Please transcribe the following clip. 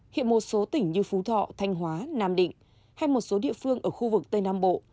hiện một số tỉnh như phú thọ thanh hóa nam định hay một số địa phương ở khu vực tây nam bộ